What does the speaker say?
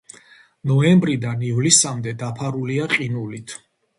ნოემბრიდან ივლისამდე დაფარულია ყინულით.